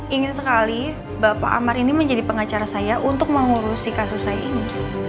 ingin sekali bapak amar ini menjadi pengacara saya untuk mengurusi kasus saya ini